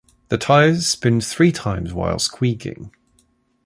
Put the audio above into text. The tires spin three times while squeaking.